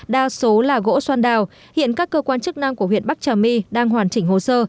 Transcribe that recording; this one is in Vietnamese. đa số là gỗ xoan đào hiện các cơ quan chức năng của huyện bắc trà my đang hoàn chỉnh hồ sơ